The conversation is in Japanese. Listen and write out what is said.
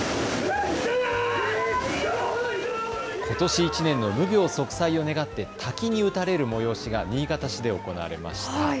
ことし１年の無病息災を願って滝に打たれる催しが新潟市で行われました。